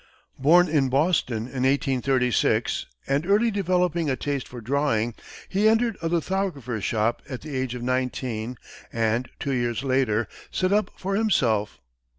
Born in Boston in 1836, and early developing a taste for drawing, he entered a lithographer's shop at the age of nineteen and two years later set up for himself.